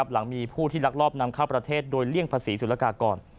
หลังมีผู้ที่ลักลอบนำเข้าประเทศโดยเลี่ยงภาษีสุรกากร